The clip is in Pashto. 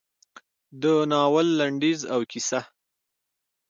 د ناول لنډیز او کیسه: